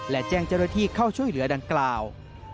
และแจ้งเจ้าหน้าที่เข้าช่วยเหลือดังกล่าว